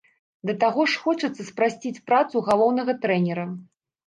Да таго ж хочацца спрасціць працу галоўнага трэнера.